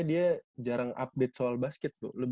dia jarang update soal basket tuh